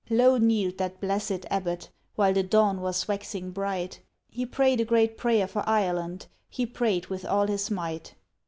Low kneel'd that blessed Abbot while the dawn was waxing bright; He pray'd a great prayer for Ireland, he pray'd with all his might.